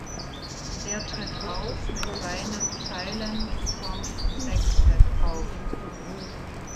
Er tritt auch mit seinem „Silent Song Sextet“ auf.